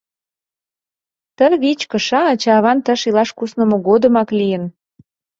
Ты вич кыша ача-аван тыш илаш куснымо годымак лийын.